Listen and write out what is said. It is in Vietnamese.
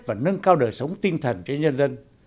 và nâng cao đời sống tinh thần cho nhân dân